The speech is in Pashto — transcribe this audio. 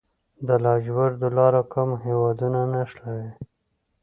د لاجوردو لاره کوم هیوادونه نښلوي؟